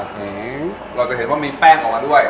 เราจะเห็นว่ามีแป้งออกมาด้วย